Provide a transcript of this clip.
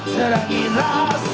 terangi rasa hatiku yang berbebu